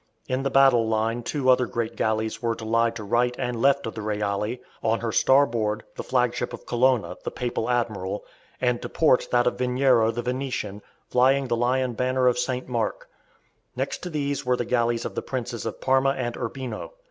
In the battle line two other great galleys were to lie to right and left of the "Reale," on her starboard, the flagship of Colonna, the papal admiral, and to port that of Veniero the Venetian, flying the lion banner of St. Mark. Next to these were the galleys of the Princes of Parma and Urbino.